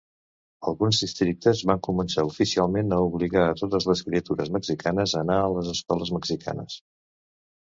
Alguns districtes van començar oficialment a obligar a totes les criatures mexicanes a anar a les escoles mexicanes.